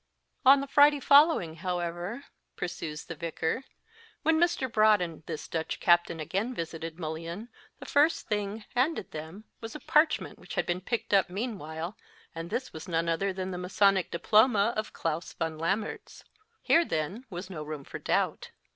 On the Friday following, however/ pursues the vicar, when Mr. Broad and this Dutch captain again visited Mullyon, the first thing handed them was a parchment which had been picked up meanwhile, and this was none other than the masonic diploma of Klaas van Lammerts. Here, then, was no room for doubt.